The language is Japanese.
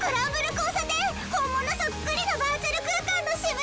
交差点本物そっくりのバーチャル空間の渋谷。